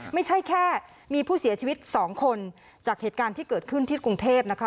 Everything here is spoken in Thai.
ไม่ใช่แค่มีผู้เสียชีวิต๒คนจากเหตุการณ์ที่เกิดขึ้นที่กรุงเทพนะคะ